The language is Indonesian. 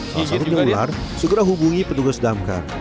salah satunya ular segera hubungi petugas damkar